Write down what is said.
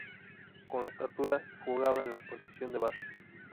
Con de estatura, jugaba en la posición de base.